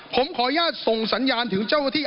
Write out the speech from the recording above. ผมขออนุญาตส่งสัญญาณถึงเจ้าหน้าที่